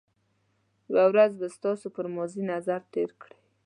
یو ورځ به تاسو پر ماضي نظر تېر کړئ.